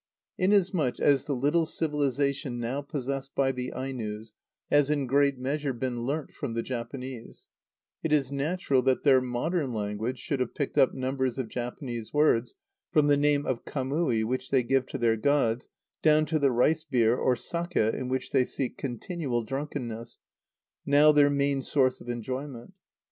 Inasmuch as the little civilisation now possessed by the Ainos has in great measure been learnt from the Japanese, it is natural that their modern language should have picked up numbers of Japanese words, from the name of kamui which they give to their gods, down to the rice beer or sake in which they seek continual drunkenness, now their main source of enjoyment.